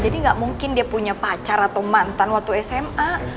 jadi gak mungkin dia punya pacar atau mantan waktu sma